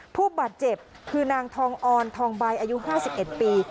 ผู้บาดเจ็บคือนางทองออนทองใบอายุห้าสิบเอ็ดปี